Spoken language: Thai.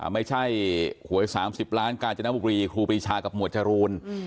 ไม่ใช่หวย๓๐ล้านกาญจนบุรีครูปรีชากับหมวดจรูน